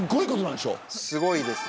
すごいです。